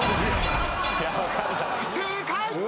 不正解！